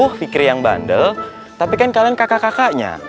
kalian bukan bandel tapi kan kalian kakak kakaknya